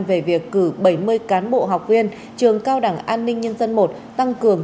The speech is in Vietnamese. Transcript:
về việc cử bảy mươi cán bộ học viên trường cao đẳng an ninh nhân dân i tăng cường